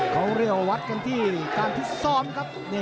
ขอเรียววัดกันที่การพิสอบครับ